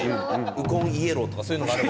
ウコンイエローとかそういうのがあれば。